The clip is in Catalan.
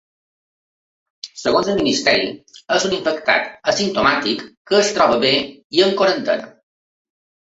Segons el ministeri és un infectat asimptomàtic que es troba bé i en quarantena.